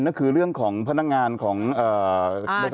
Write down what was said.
นั่นคือเรื่องของพนักงานของบริษัท